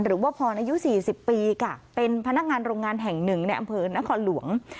หรือว่าพรอายุ๔๐ปีค่ะเป็นพนักงานโรงงานแห่งหนึ่งในอำเภอนครหลวง